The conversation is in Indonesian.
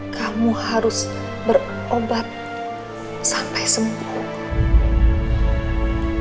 kamu harus berobat sampai sembuh